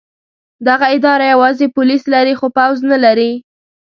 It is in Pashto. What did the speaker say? دغه اداره یوازې پولیس لري خو پوځ نه لري.